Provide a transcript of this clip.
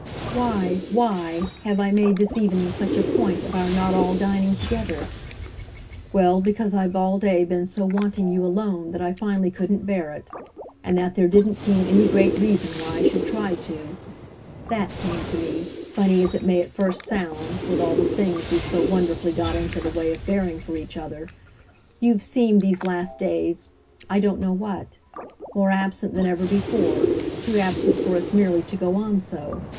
"'Why, why' have I made this evening such a point of our not all dining together? Well, because I've all day been so wanting you alone that I finally couldn't bear it, and that there didn't seem any great reason why I should try to. THAT came to me funny as it may at first sound, with all the things we've so wonderfully got into the way of bearing for each other. You've seemed these last days I don't know what: more absent than ever before, too absent for us merely to go on so.